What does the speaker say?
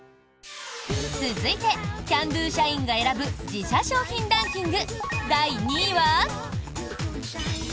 続いてＣａｎ★Ｄｏ社員が選ぶ自社商品ランキング第２位は。